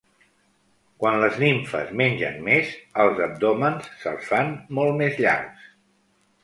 Quan les nimfes mengen més, els abdòmens se'ls fan molt més llargs.